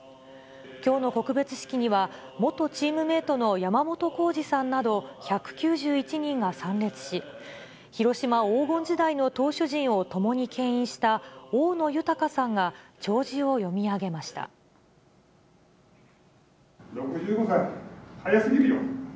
きょうの告別式には、元チームメートの山本浩二さんなど、１９１人が参列し、広島黄金時代の投手陣を共にけん引した大野豊さんが弔辞を読み上６５歳、早すぎるよ。